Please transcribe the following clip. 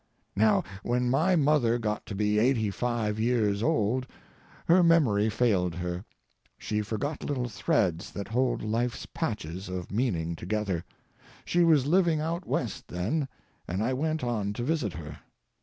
Now, when my mother got to be eighty five years old her memory failed her. She forgot little threads that hold life's patches of meaning together. She was living out West then, and I went on to visit her.